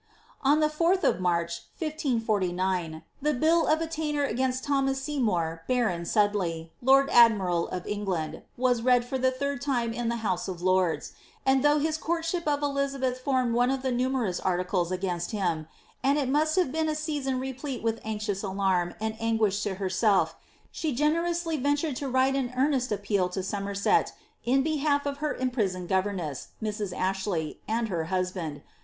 On the 4th of Marrh, 1549, the bill of attainder against Thomas Seymour baron Sudley, lord admiral of England, was read for the third tame in the house of lords ; and though his courtship of Elizabeth formed one of the numerous articles against him, and it must have been a season replete with anxious alarm and anguish to herself, she generously ventured to write an earnest appeal to Somerset in behalf of her imprisoned governess, Mrs. Ashley, and her husband.